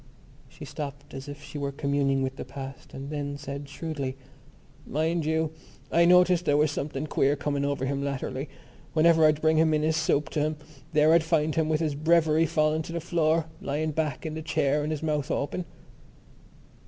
She stopped, as if she were communing with the past and then said shrewdly: "Mind you, I noticed there was something queer coming over him latterly. Whenever I'd bring in his soup to him there I'd find him with his breviary fallen to the floor, lying back in the chair and his mouth open."